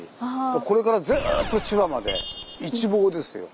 これからずっと千葉まで一望ですよ。